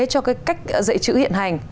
cho cách dạy chữ hiện hành